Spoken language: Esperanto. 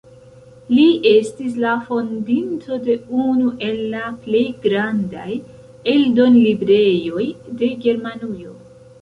Li estis la fondinto de unu el la plej grandaj eldonlibrejoj de Germanujo.